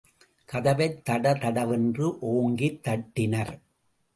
கதவைத் தடதடவென்று ஓங்கித் தட்டினர்.